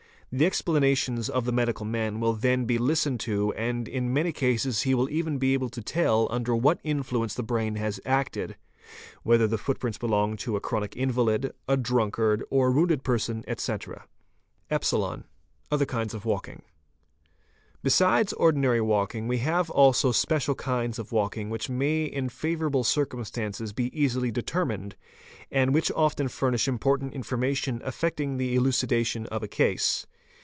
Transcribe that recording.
The explanations of the medical man will then be listened to and in + many cases he will even be able to tell under what influence the brain _ has acted: whether the footprints belong to a chronic invalid, a drunkard, ~ or a wounded person, etc. ; A FRAPS I RN JK RST TATE NAR REN A A ALERTED SERS WWM Rarsil Ww LETS e. Other kinds of walking. 7 Besides ordinary walking we have also special kinds of walking which _ may in favourable circumstances be easily determined, and which often 526 FOOTPRINTS furnish important information affecting the elucidation of a case.